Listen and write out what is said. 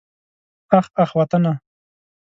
اخ اخ وطنه.